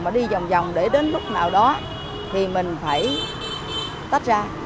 mà đi vòng vòng để đến lúc nào đó thì mình phải tách ra